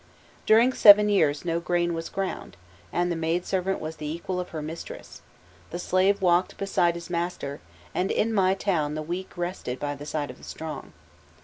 "During seven years no grain was ground, and the maidservant was the equal of her mistress, the slave walked beside his master, and in my town the weak rested by the side of the strong."